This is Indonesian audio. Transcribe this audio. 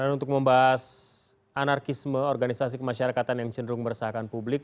untuk membahas anarkisme organisasi kemasyarakatan yang cenderung meresahkan publik